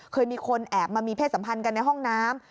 เคยมีคนแอบมามีเพศสัมพันธ์กันในห้องน้ำ